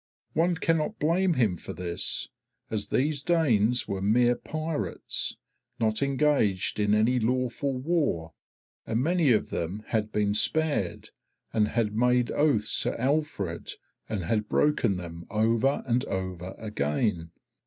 One cannot blame him for this, as these Danes were mere pirates, not engaged in any lawful war, and many of them had been spared, and had made oaths to Alfred, and had broken them, over and over again.